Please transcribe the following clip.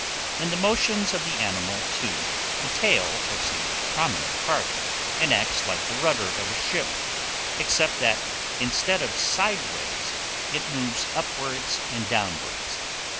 In the motions of the animal, too, the tail takes a prominent part, and acts like the rudder of a ship, except that, instead of sideways, it moves upwards and downwards.